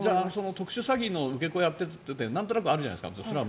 特殊詐欺の受け子とかはなんとなくあるじゃないですか。